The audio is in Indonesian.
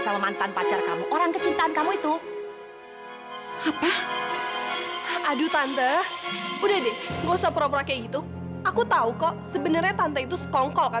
sampai jumpa di video selanjutnya